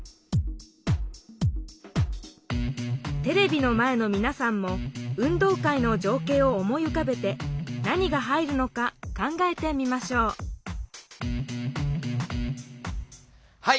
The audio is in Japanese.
テレビの前のみなさんも運動会のじょうけいを思いうかべて何が入るのか考えてみましょうはい！